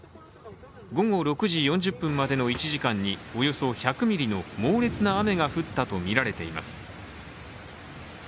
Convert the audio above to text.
午後６時４０分までの１時間におよそ１００ミリの猛烈な雨が降ったとみられています。